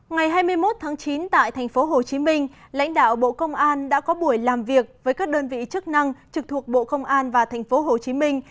ngày hai mươi một tháng chín tại thành phố hồ chí minh lãnh đạo bộ công an đã có buổi làm việc với các đơn vị chức năng trực thuộc bộ công an và thành phố hồ chí minh